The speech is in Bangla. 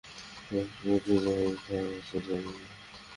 শ্রুতি কোথায় আছে জানি না?